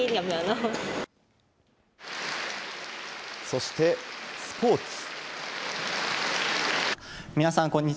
そしてスポーツ。